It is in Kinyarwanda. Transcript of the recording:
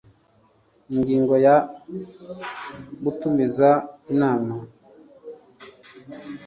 ingingo ya gutumiza inama